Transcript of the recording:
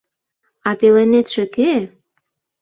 — А пеленетше кӧ?